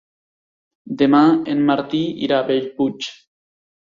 Demà en Martí irà a Bellpuig.